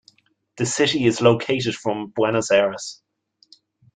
The city is located from Buenos Aires.